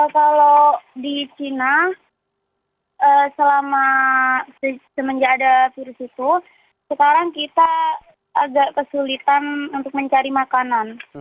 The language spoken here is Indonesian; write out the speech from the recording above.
kalau di china selama semenjak ada virus itu sekarang kita agak kesulitan untuk mencari makanan